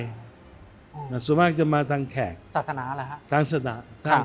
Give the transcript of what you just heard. อืมแล้วส่วงมากจะมาตามแขกศาสนาอะไรฮะตามศาสนาค่ะ